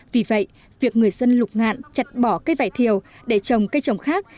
vì vậy việc người dân lục ngạn chặt bỏ cây vải thiều để trồng cây trồng khác